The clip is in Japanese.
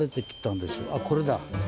あっこれだ。